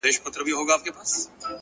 • ارغنداو به غاړي غاړي را روان سي,